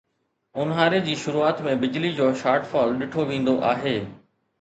اونهاري جي شروعات ۾ بجلي جو شارٽ فال ڏٺو ويندو آهي